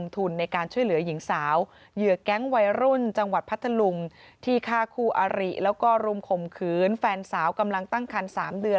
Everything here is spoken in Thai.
ที่ฆ่าคู่อาริแล้วก็รุมขมขืนแฟนสาวกำลังตั้งครรภ์๓เดือน